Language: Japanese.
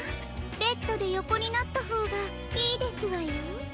ベッドでよこになったほうがいいですわよ。